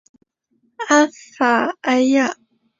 阿法埃娅。